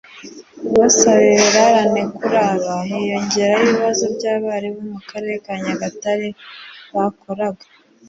basaba ibirarane Kuri aba hiyongeraho ibibazo by abarimu bo mu Karere ka Nyagatare bakoraga